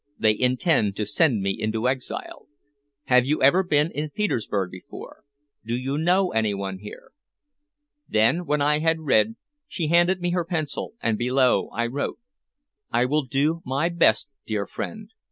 They intend to send me into exile. Have you ever been in Petersburg before? Do you know anyone here?" Then when I had read, she handed me her pencil and below I wrote "I will do my best, dear friend.